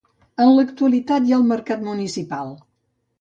En l'actualitat hi ha el mercat municipal.